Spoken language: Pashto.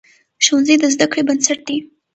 ښوونځی د زده کړې بنسټ دی.